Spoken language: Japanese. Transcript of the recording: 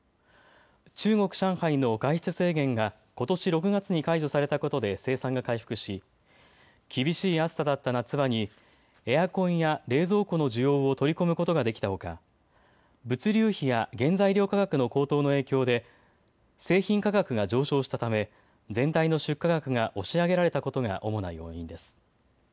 中国・上海の外出制限がことし６月に解除されたことで生産が回復し厳しい暑さだった夏場にエアコンや冷蔵庫の需要を取り込むことができたほか物流費や原材料価格の高騰の影響で製品価格が上昇したため全体の出荷額が押し上げられたことが主な要因です。